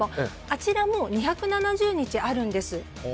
あちらも２７０日あるんです。